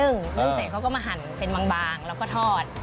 นึ่งเสร็จเขาก็มาหั่นเป็นบางแล้วก็ทอด